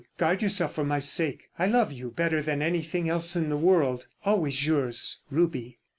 Guard yourself for my sake. I love you better than anything else in the world. "Always yours, "RUBY."